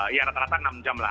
ya rata rata enam jam lah